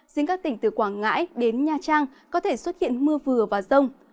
riêng các tỉnh từ quảng ngãi đến nha trang có thể xuất hiện mưa vừa và rông